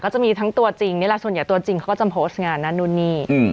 จะมีทั้งตัวจริงนี่แหละส่วนใหญ่ตัวจริงเขาก็จะโพสต์งานนั่นนู่นนี่